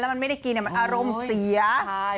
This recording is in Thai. และไม่ได้กินเนี่ยมันอารมณ์เสีย